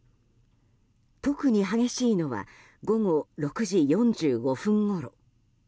特に激しいのは午後６時４５分ごろ。